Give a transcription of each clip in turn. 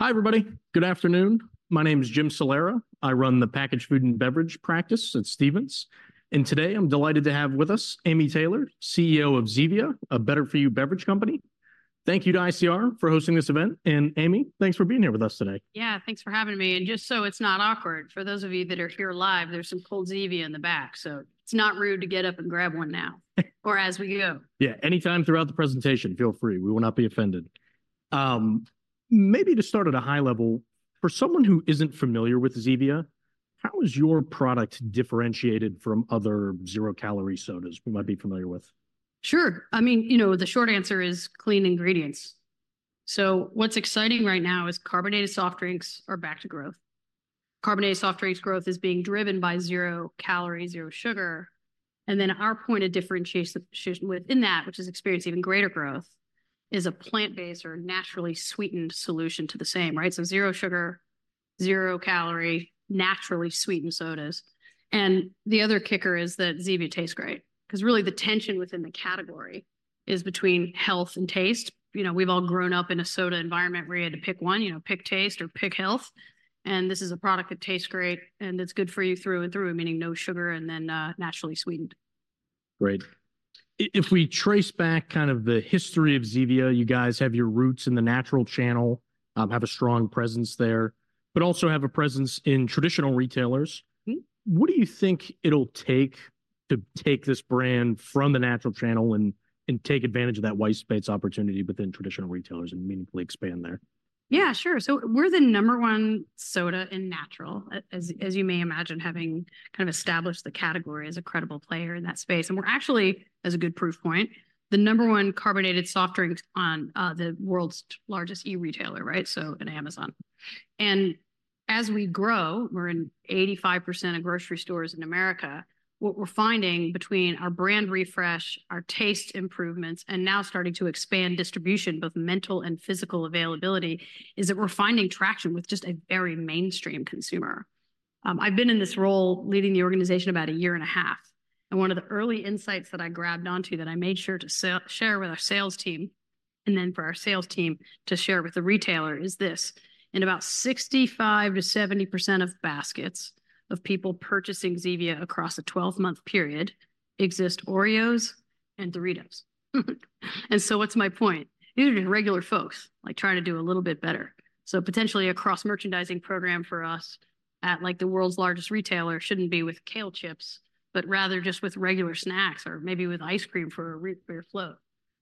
Hi, everybody. Good afternoon. My name is Jim Salera. I run the packaged food and beverage practice at Stephens, and today I'm delighted to have with us Amy Taylor, CEO of Zevia, a better-for-you beverage company. Thank you to ICR for hosting this event, and Amy, thanks for being here with us today. Yeah, thanks for having me. Just so it's not awkward, for those of you that are here live, there's some cold Zevia in the back, so it's not rude to get up and grab one now - or as we go. Yeah, anytime throughout the presentation, feel free. We will not be offended. Maybe to start at a high level, for someone who isn't familiar with Zevia, how is your product differentiated from other zero-calorie sodas we might be familiar with? Sure. I mean, you know, the short answer is clean ingredients. So what's exciting right now is carbonated soft drinks are back to growth. Carbonated soft drinks growth is being driven by zero calories, zero sugar, and then our point of differentiation within that, which is experiencing even greater growth, is a plant-based or naturally sweetened solution to the same, right? So zero sugar, zero calorie, naturally sweetened sodas. And the other kicker is that Zevia tastes great, 'cause really, the tension within the category is between health and taste. You know, we've all grown up in a soda environment where you had to pick one, you know, pick taste or pick health, and this is a product that tastes great, and it's good for you through and through, meaning no sugar and then, naturally sweetened. Great. If we trace back kind of the history of Zevia, you guys have your roots in the Natural channel, have a strong presence there, but also have a presence in traditional retailers. Mm-hmm. What do you think it'll take to take this brand from the Natural channel and take advantage of that white space opportunity within traditional retailers and meaningfully expand there? Yeah, sure. So we're the number one soda in Natural, as you may imagine, having kind of established the category as a credible player in that space, and we're actually, as a good proof point, the number one carbonated soft drink on the world's largest e-retailer, right? So in Amazon. And as we grow, we're in 85% of grocery stores in America. What we're finding between our brand refresh, our taste improvements, and now starting to expand distribution, both mental and physical availability, is that we're finding traction with just a very mainstream consumer. I've been in this role, leading the organization, about a year and a half, and one of the early insights that I grabbed onto that I made sure to share with our sales team, and then for our sales team to share with the retailer, is this: in about 65%-70% of baskets of people purchasing Zevia across a 12-month period exist Oreos and Doritos. And so what's my point? These are just regular folks, like, trying to do a little bit better. So potentially a cross-merchandising program for us at, like, the world's largest retailer shouldn't be with kale chips, but rather just with regular snacks or maybe with ice cream for your float,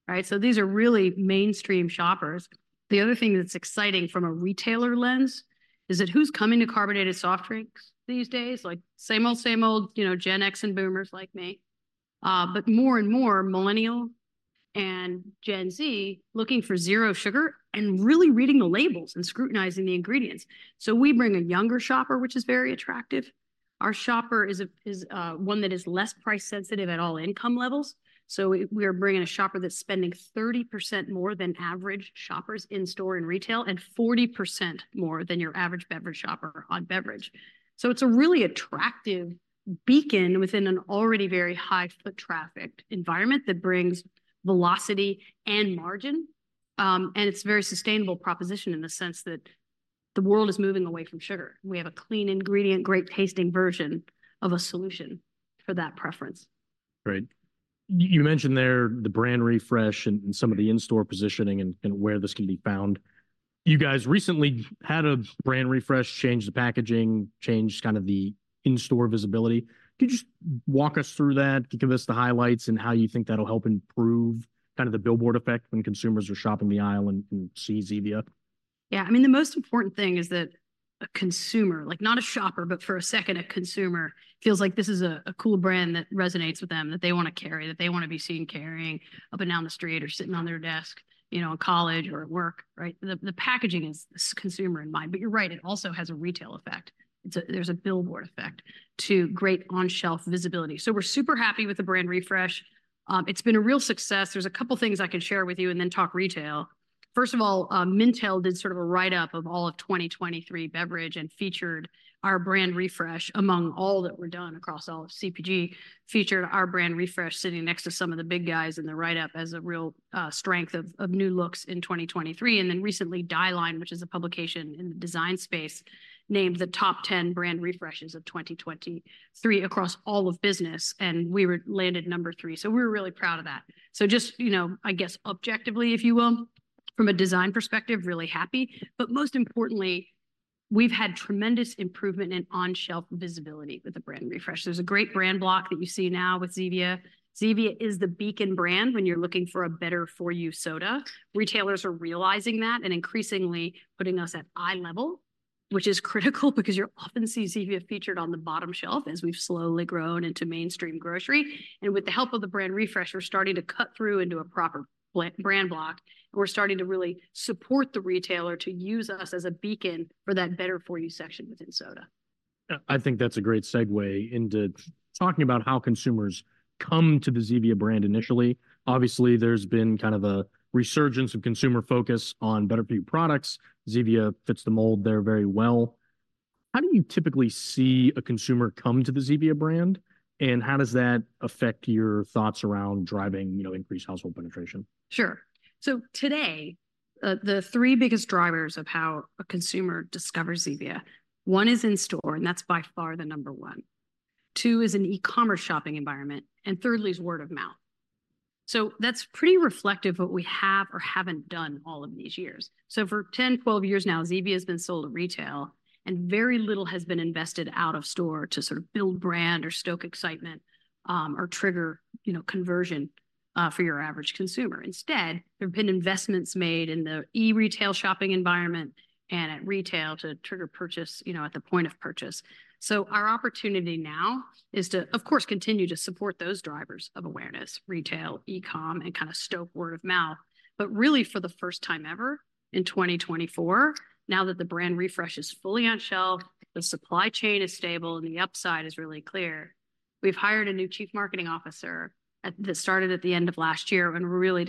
right? So these are really mainstream shoppers. The other thing that's exciting from a retailer lens is that who's coming to carbonated soft drinks these days? Like, same old, same old, you know, Gen X and Boomers like me, but more and more Millennial and Gen Z looking for zero sugar and really reading the labels and scrutinizing the ingredients. So we bring a younger shopper, which is very attractive. Our shopper is a, is, one that is less price sensitive at all income levels, so we are bringing a shopper that's spending 30% more than average shoppers in-store in retail and 40% more than your average beverage shopper on beverage. So it's a really attractive beacon within an already very high foot trafficked environment that brings velocity and margin, and it's a very sustainable proposition in the sense that the world is moving away from sugar. We have a clean ingredient, great-tasting version of a solution for that preference. Great. You mentioned there the brand refresh and some of the in-store positioning and where this can be found. You guys recently had a brand refresh, changed the packaging, changed kind of the in-store visibility. Could you just walk us through that, give us the highlights and how you think that'll help improve kind of the billboard effect when consumers are shopping the aisle and see Zevia? Yeah. I mean, the most important thing is that a consumer, like not a shopper, but for a second, a consumer feels like this is a cool brand that resonates with them, that they want to carry, that they want to be seen carrying up, and down the street or sitting on their desk, you know, in college or at work, right? The packaging is consumer in mind. But you're right, it also has a retail effect. It's a. There's a billboard effect to great on-shelf visibility. So we're super happy with the brand refresh. It's been a real success. There's a couple things I can share with you, and then talk retail. First of all, Mintel did sort of a write-up of all of 2023 beverage and featured our brand refresh among all that were done across all of CPG, featured our brand refresh sitting next to some of the big guys in the write-up as a real strength of new looks in 2023. And then recently, Dieline, which is a publication in the design space, named the top 10 brand refreshes of 2023 across all of business, and we landed number three, so we're really proud of that. So just, you know, I guess objectively, if you will, from a design perspective, really happy. But most importantly, we've had tremendous improvement in on-shelf visibility with the brand refresh. There's a great brand block that you see now with Zevia. Zevia is the beacon brand when you're looking for a better-for-you soda. Retailers are realizing that and increasingly putting us at eye level, which is critical because you often see Zevia featured on the bottom shelf as we've slowly grown into mainstream grocery. With the help of the brand refresh, we're starting to cut through into a proper brand block, and we're starting to really support the retailer to use us as a beacon for that better-for-you section within soda. I think that's a great segue into talking about how consumers come to the Zevia brand initially. Obviously, there's been kind of a resurgence of consumer focus on better-for-you products. Zevia fits the mold there very well... How do you typically see a consumer come to the Zevia brand, and how does that affect your thoughts around driving, you know, increased household penetration? Sure. So today, the three biggest drivers of how a consumer discovers Zevia: one is in-store, and that's by far the number one. Two is an e-commerce shopping environment, and thirdly is word of mouth. So that's pretty reflective of what we have or haven't done all of these years. So for 10, 12 years now, Zevia has been sold at retail, and very little has been invested out-of-store to sort of build brand or stoke excitement, or trigger, you know, conversion, for your average consumer. Instead, there have been investments made in the e-retail shopping environment, and at retail to trigger purchase, you know, at the point of purchase. So our opportunity now is to, of course, continue to support those drivers of awareness, retail, e-com, and kind of stoke word of mouth. But really, for the first time ever, in 2024, now that the brand refresh is fully on shelf, the supply chain is stable, and the upside is really clear, we've hired a new chief marketing officer that started at the end of last year, and we're really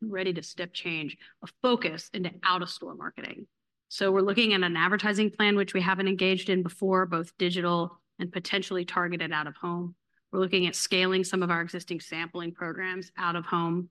ready to step change a focus into out-of-store marketing. So we're looking at an advertising plan which we haven't engaged in before, both digital and potentially targeted out of home. We're looking at scaling some of our existing sampling programs out of home.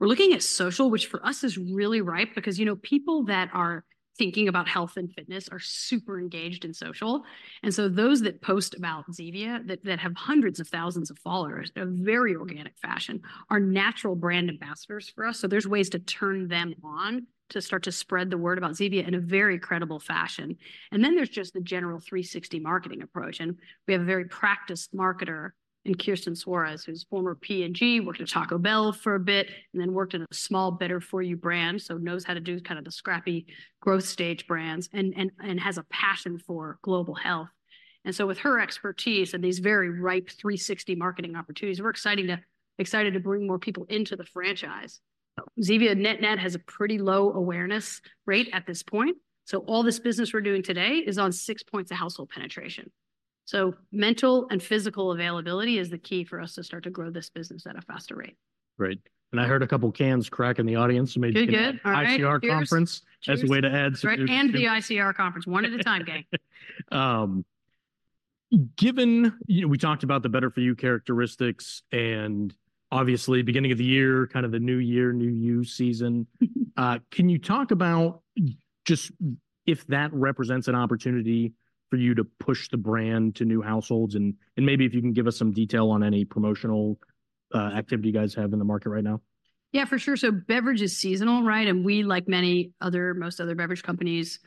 We're looking at social, which for us is really ripe because, you know, people that are thinking about health and fitness are super engaged in social. And so those that post about Zevia that have hundreds of thousands of followers in a very organic fashion are natural brand ambassadors for us. So there's ways to turn them on to start to spread the word about Zevia in a very credible fashion. Then there's just the general 360 marketing approach, and we have a very practiced marketer in Kirsten Suarez, who's former P&G, worked at Taco Bell for a bit, and then worked at a small, better-for-you brand, so knows how to do kind of the scrappy growth stage brands, and has a passion for global health. So with her expertise and these very ripe 360 marketing opportunities, we're excited to bring more people into the franchise. Zevia net-net has a pretty low awareness rate at this point, so all this business we're doing today is on six points of household penetration. So mental and physical availability is the key for us to start to grow this business at a faster rate. Great. And I heard a couple cans crack in the audience- Pretty good. Maybe the ICR conference- Cheers as a way to add. The ICR conference, one at a time, gang. Given... You know, we talked about the better-for-you characteristics and obviously beginning of the year, kind of the New Year, New You season. Can you talk about just if that represents an opportunity for you to push the brand to new households and maybe if you can give us some detail on any promotional activity you guys have in the market right now? Yeah, for sure. So beverage is seasonal, right? And we, like many other, most other beverage companies,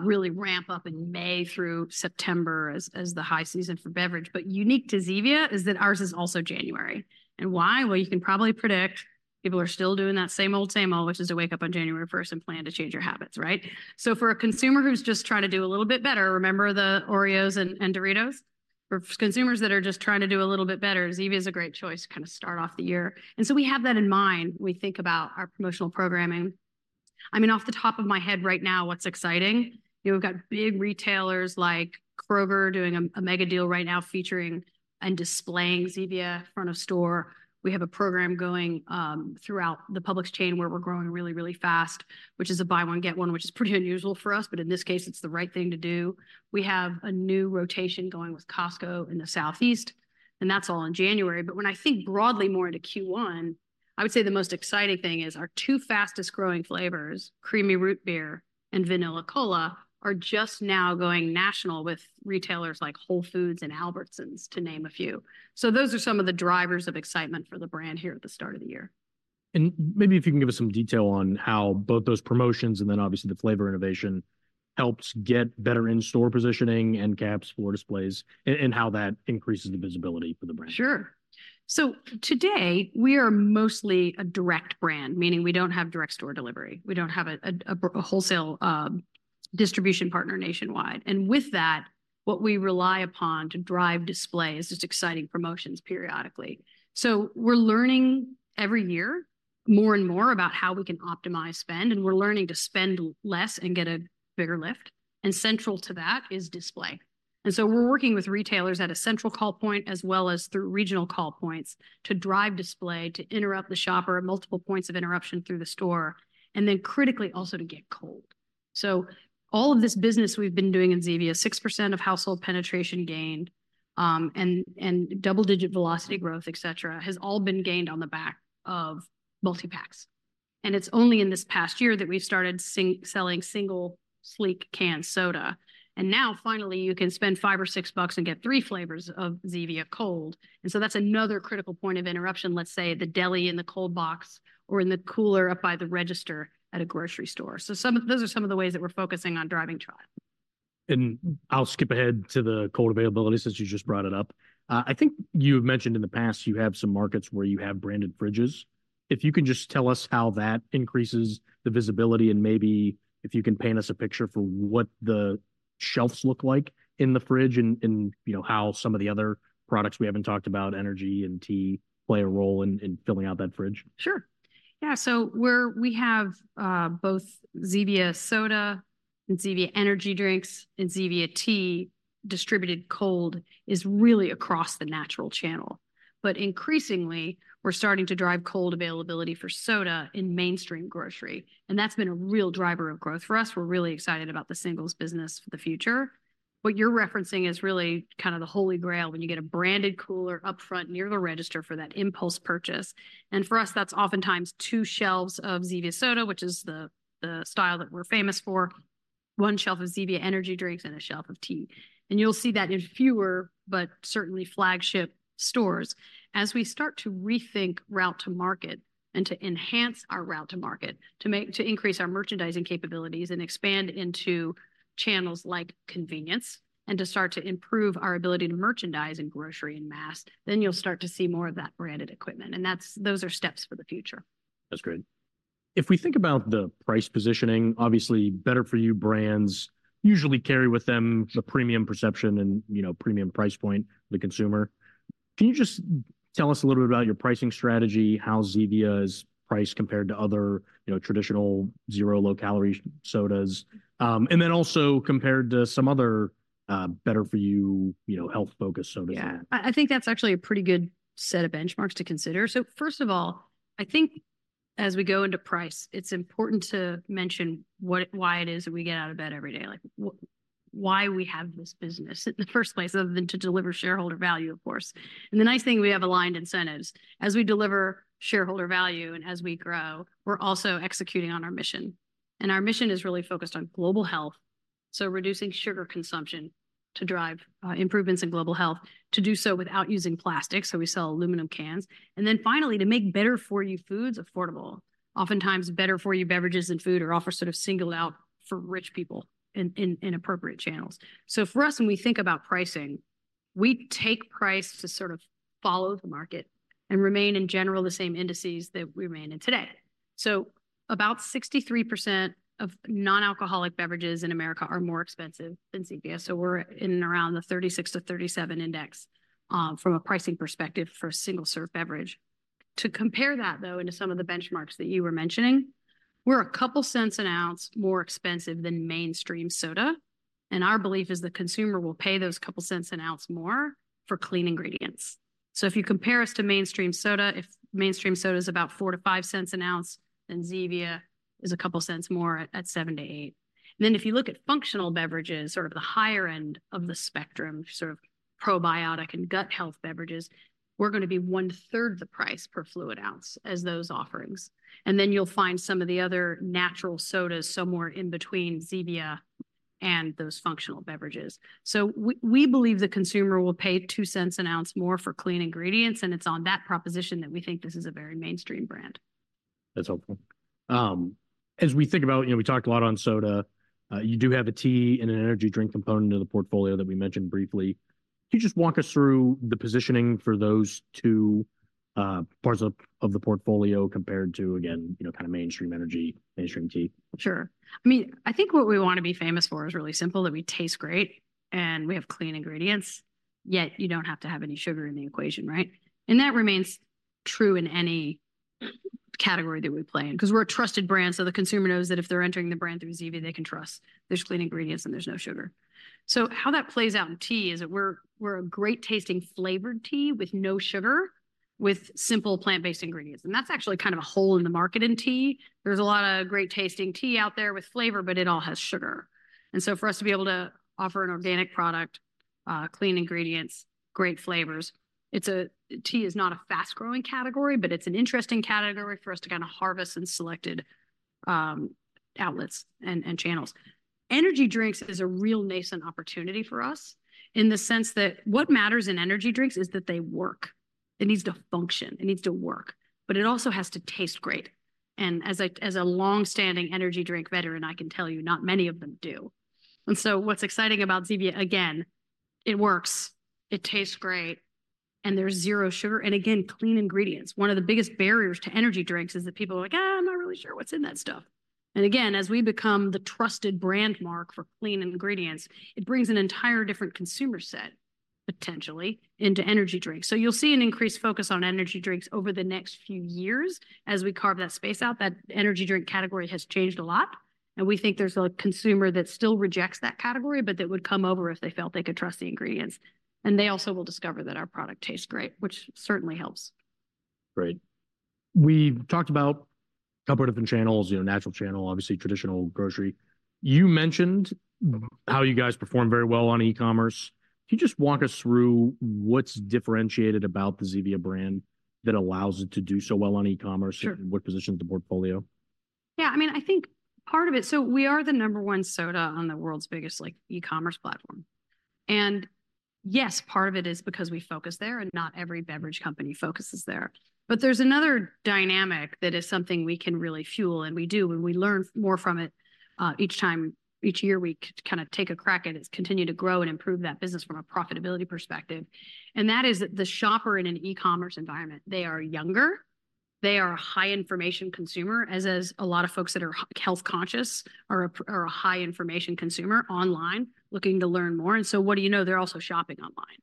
really ramp up in May through September as the high season for beverage. But unique to Zevia is that ours is also January. And why? Well, you can probably predict. People are still doing that same old, same old, which is to wake up on January first and plan to change your habits, right? So for a consumer who's just trying to do a little bit better, remember the Oreos and Doritos? For consumers that are just trying to do a little bit better, Zevia is a great choice to kind of start off the year. And so we have that in mind when we think about our promotional programming. I mean, off the top of my head right now, what's exciting, you know, we've got big retailers like Kroger doing a mega deal right now, featuring, and displaying Zevia front of store. We have a program going throughout the Publix chain, where we're growing really, really fast, which is a buy one, get one, which is pretty unusual for us, but in this case, it's the right thing to do. We have a new rotation going with Costco in the Southeast, and that's all in January. But when I think broadly more into Q1, I would say the most exciting thing is our two fastest-growing flavors, Creamy Root Beer and Vanilla Cola, are just now going national with retailers like Whole Foods and Albertsons, to name a few. So those are some of the drivers of excitement for the brand here at the start of the year. Maybe if you can give us some detail on how both those promotions and then obviously the flavor innovation helps get better in-store positioning, end caps, floor displays, and how that increases the visibility for the brand. Sure. So today, we are mostly a direct brand, meaning we don't have direct store delivery. We don't have a wholesale distribution partner nationwide. And with that, what we rely upon to drive display is just exciting promotions periodically. So we're learning every year more and more about how we can optimize spend, and we're learning to spend less and get a bigger lift, and central to that is display. And so we're working with retailers at a central call point, as well as through regional call points, to drive display, to interrupt the shopper at multiple points of interruption through the store, and then critically, also to get cold. So all of this business we've been doing in Zevia, 6% of household penetration gained, and double-digit velocity growth, etc., has all been gained on the back of multi-packs. And it's only in this past year that we've started selling single, sleek canned soda. And now, finally, you can spend $5 or $6 and get 3 flavors of Zevia cold, and so that's another critical point of interruption, let's say, the deli in the cold box or in the cooler up by the register at a grocery store. So some of those are some of the ways that we're focusing on driving trial. I'll skip ahead to the cold availability since you just brought it up. I think you've mentioned in the past you have some markets where you have branded fridges. If you can just tell us how that increases the visibility, and maybe if you can paint us a picture for what the shelves look like in the fridge and you know, how some of the other products we haven't talked about, energy and tea, play a role in filling out that fridge. Sure. Yeah, so we have both Zevia soda and Zevia Energy drinks and Zevia tea distributed cold really across the natural channel. But increasingly, we're starting to drive cold availability for soda in mainstream grocery, and that's been a real driver of growth for us. We're really excited about the singles business for the future... What you're referencing is really kind of the holy grail, when you get a branded cooler upfront near the register for that impulse purchase. And for us, that's oftentimes two shelves of Zevia soda, which is the style that we're famous for, one shelf of Zevia Energy drinks, and a shelf of tea. And you'll see that in fewer, but certainly flagship stores. As we start to rethink route to market and to enhance our route to market, to increase our merchandising capabilities and expand into channels like convenience, and to start to improve our ability to merchandise in grocery and mass, then you'll start to see more of that branded equipment, and those are steps for the future. That's great. If we think about the price positioning, obviously, better-for-you brands usually carry with them the premium perception and, you know, premium price point to the consumer. Can you just tell us a little bit about your pricing strategy, how Zevia's priced compared to other, you know, traditional zero, low-calorie sodas, and then also compared to some other, better-for-you, you know, health-focused sodas? Yeah. I, I think that's actually a pretty good set of benchmarks to consider. So first of all, I think as we go into price, it's important to mention why it is that we get out of bed every day, like, why we have this business in the first place, other than to deliver shareholder value, of course. And the nice thing, we have aligned incentives. As we deliver shareholder value and as we grow, we're also executing on our mission, and our mission is really focused on global health, so reducing sugar consumption to drive improvements in global health, to do so without using plastic, so we sell aluminum cans, and then finally, to make better-for-you foods affordable. Oftentimes, better-for-you beverages and food are often sort of singled out for rich people in inappropriate channels. So for us, when we think about pricing, we take price to sort of follow the market and remain, in general, the same indices that we remain in today. So about 63% of non-alcoholic beverages in America are more expensive than Zevia, so we're in and around the 36-37 index, from a pricing perspective for a single-serve beverage. To compare that, though, into some of the benchmarks that you were mentioning, we're a couple cents an ounce more expensive than mainstream soda, and our belief is the consumer will pay those couple cents an ounce more for clean ingredients. So if you compare us to mainstream soda, if mainstream soda is about $0.04-$0.05 an ounce, then Zevia is a couple cents more at $0.07-$0.08. Then, if you look at functional beverages, sort of the higher end of the spectrum, sort of probiotic and gut health beverages, we're gonna be one-third the price per fluid ounce as those offerings. And then you'll find some of the other natural sodas somewhere in between Zevia and those functional beverages. So we, we believe the consumer will pay $0.02 an ounce more for clean ingredients, and it's on that proposition that we think this is a very mainstream brand. That's helpful. As we think about... You know, we talked a lot on soda. You do have a tea and an energy drink component of the portfolio that we mentioned briefly. Can you just walk us through the positioning for those two parts of the portfolio compared to, again, you know, kind of mainstream energy, mainstream tea? Sure. I mean, I think what we want to be famous for is really simple, that we taste great and we have clean ingredients, yet you don't have to have any sugar in the equation, right? That remains true in any category that we play in, 'cause we're a trusted brand, so the consumer knows that if they're entering the brand through Zevia, they can trust there's clean ingredients, and there's no sugar. So how that plays out in tea is that we're a great-tasting flavored tea with no sugar, with simple plant-based ingredients, and that's actually kind of a hole in the market in tea. There's a lot of great-tasting tea out there with flavor, but it all has sugar. And so for us to be able to offer an organic product, clean ingredients, great flavors, it's tea is not a fast-growing category, but it's an interesting category for us to kind of harvest in selected outlets and channels. Energy drinks is a real nascent opportunity for us in the sense that what matters in energy drinks is that they work. It needs to function, it needs to work, but it also has to taste great. And as a long-standing energy drink veteran, I can tell you, not many of them do. And so what's exciting about Zevia, again, it works, it tastes great, and there's zero sugar, and again, clean ingredients. One of the biggest barriers to energy drinks is that people are like, "Ah, I'm not really sure what's in that stuff." And again, as we become the trusted brand mark for clean ingredients, it brings an entire different consumer set, potentially, into energy drinks. So you'll see an increased focus on energy drinks over the next few years as we carve that space out. That energy drink category has changed a lot, and we think there's a consumer that still rejects that category, but that would come over if they felt they could trust the ingredients. And they also will discover that our product tastes great, which certainly helps. Great. We talked about a couple of different channels, you know, natural channel, obviously, traditional grocery. You mentioned how you guys perform very well on e-commerce. Can you just walk us through what's differentiated about the Zevia brand that allows it to do so well on e-commerce? Sure... and what positions the portfolio? Yeah, I mean, I think part of it. So we are the number one soda on the world's biggest, like, e-commerce platform. And yes, part of it is because we focus there, and not every beverage company focuses there. But there's another dynamic that is something we can really fuel, and we do, and we learn more from it each time. Each year, we kind of take a crack at it, continue to grow and improve that business from a profitability perspective, and that is the shopper in an e-commerce environment. They are younger, they are a high-information consumer, as is a lot of folks that are health conscious are a high-information consumer online, looking to learn more. And so what do you know? They're also shopping online.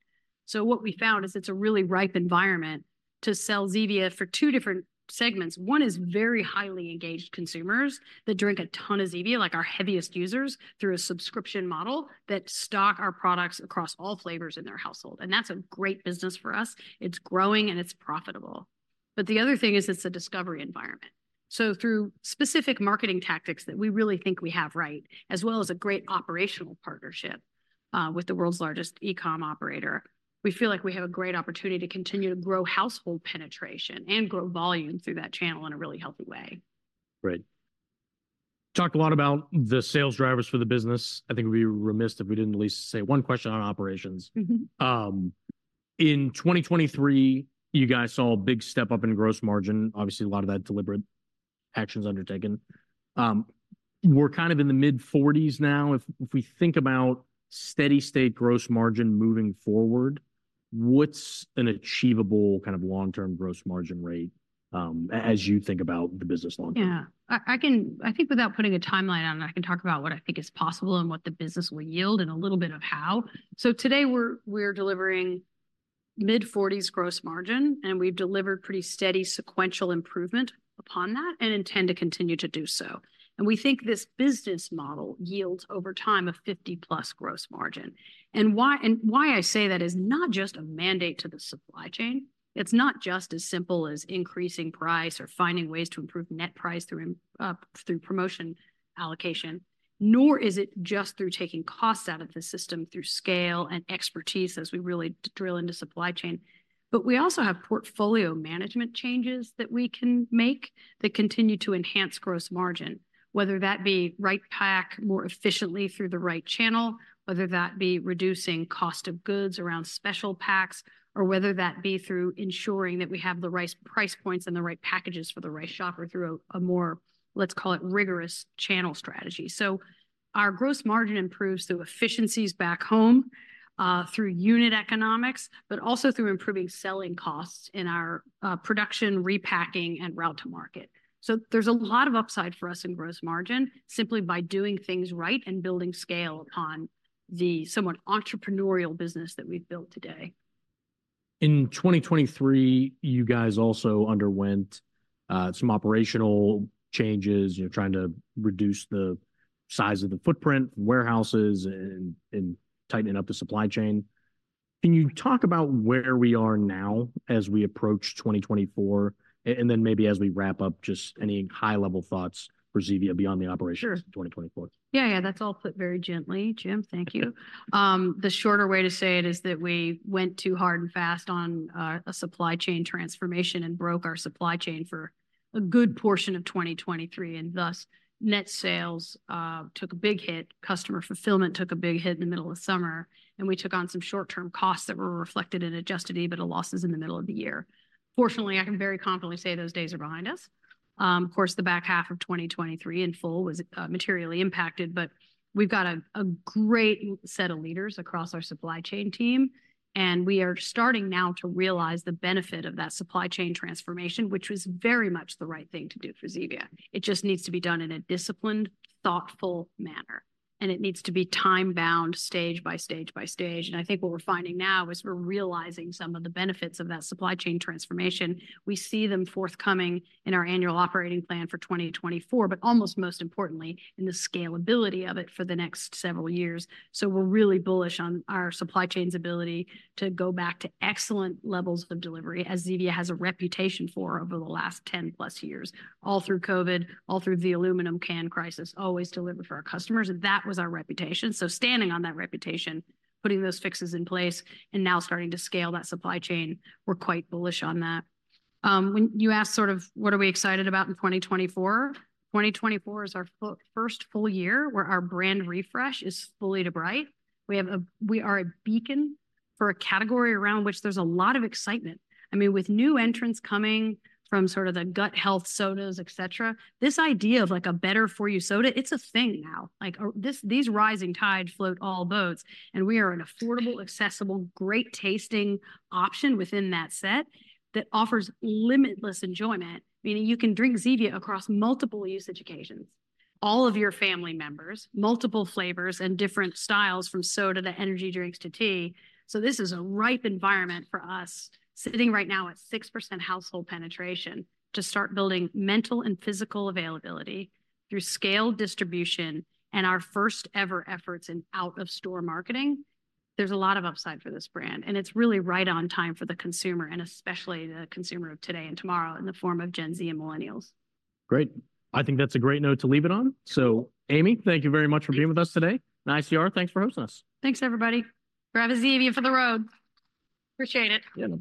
So what we found is it's a really ripe environment to sell Zevia for two different segments. One is very highly engaged consumers that drink a ton of Zevia, like our heaviest users, through a subscription model that stock our products across all flavors in their household, and that's a great business for us. It's growing, and it's profitable. But the other thing is, it's a discovery environment…. So through specific marketing tactics that we really think we have right, as well as a great operational partnership with the world's largest e-com operator, we feel like we have a great opportunity to continue to grow household penetration and grow volume through that channel in a really healthy way. Great. Talked a lot about the sales drivers for the business. I think it'd be remiss if we didn't at least say one question on operations. Mm-hmm. In 2023, you guys saw a big step-up in gross margin. Obviously, a lot of that deliberate actions undertaken. We're kind of in the mid-40s now. If we think about steady state gross margin moving forward, what's an achievable kind of long-term gross margin rate, as you think about the business long term? Yeah. I think without putting a timeline on it, I can talk about what I think is possible and what the business will yield, and a little bit of how. So today, we're delivering mid-40s gross margin, and we've delivered pretty steady sequential improvement upon that, and intend to continue to do so. And we think this business model yields, over time, a 50+ gross margin. And why I say that is not just a mandate to the supply chain, it's not just as simple as increasing price or finding ways to improve net price through promotion allocation, nor is it just through taking costs out of the system through scale and expertise as we really drill into supply chain. But we also have portfolio management changes that we can make that continue to enhance gross margin, whether that be right pack more efficiently through the right channel, whether that be reducing cost of goods around special packs, or whether that be through ensuring that we have the right price points and the right packages for the right shopper through a more, let's call it, rigorous channel strategy. So our gross margin improves through efficiencies back home, through unit economics, but also through improving selling costs in our production, repacking, and route to market. So there's a lot of upside for us in gross margin, simply by doing things right and building scale upon the somewhat entrepreneurial business that we've built today. In 2023, you guys also underwent some operational changes. You're trying to reduce the size of the footprint, warehouses, and tightening up the supply chain. Can you talk about where we are now as we approach 2024? And then maybe as we wrap up, just any high-level thoughts for Zevia beyond the operations- Sure... in 2024. Yeah, yeah, that's all put very gently, Jim. Thank you. The shorter way to say it is that we went too hard and fast on a supply chain transformation and broke our supply chain for a good portion of 2023, and thus, net sales took a big hit, customer fulfillment took a big hit in the middle of summer, and we took on some short-term costs that were reflected in Adjusted EBITDA losses in the middle of the year. Fortunately, I can very confidently say those days are behind us. Of course, the back half of 2023 in full was materially impacted, but we've got a great set of leaders across our supply chain team, and we are starting now to realize the benefit of that supply chain transformation, which was very much the right thing to do for Zevia. It just needs to be done in a disciplined, thoughtful manner, and it needs to be time-bound, stage by stage by stage. I think what we're finding now is we're realizing some of the benefits of that supply chain transformation. We see them forthcoming in our annual operating plan for 2024, but almost most importantly, in the scalability of it for the next several years. So we're really bullish on our supply chain's ability to go back to excellent levels of delivery, as Zevia has a reputation for over the last 10+ years. All through COVID, all through the aluminum can crisis, always delivered for our customers, and that was our reputation. So standing on that reputation, putting those fixes in place, and now starting to scale that supply chain, we're quite bullish on that. When you asked sort of what are we excited about in 2024? 2024 is our first full year, where our brand refresh is fully lit. We are a beacon for a category around which there's a lot of excitement. I mean, with new entrants coming from sort of the gut health sodas, et cetera, this idea of, like, a better-for-you soda, it's a thing now. Like, these rising tide float all boats, and we are an affordable, accessible, great-tasting option within that set that offers limitless enjoyment, meaning you can drink Zevia across multiple usage occasions, all of your family members, multiple flavors, and different styles, from soda to energy drinks to tea. This is a ripe environment for us, sitting right now at 6% household penetration, to start building mental and physical availability through scale distribution and our first ever efforts in out-of-store marketing. There's a lot of upside for this brand, and it's really right on time for the consumer, and especially the consumer of today and tomorrow, in the form of Gen Z and Millennials. Great. I think that's a great note to leave it on. Amy, thank you very much for being with us today. ICR, thanks for hosting us. Thanks, everybody. Grab a Zevia for the road. Appreciate it. Yeah.